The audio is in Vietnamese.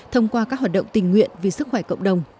thông qua các hoạt động tình nguyện vì sức khỏe cộng đồng